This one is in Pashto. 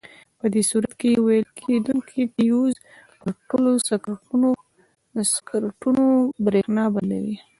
په دې صورت کې ویلې کېدونکي فیوز پر ټولو سرکټونو برېښنا بندوي.